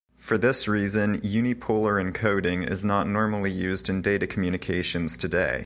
For this reason, unipolar encoding is not normally used in data communications today.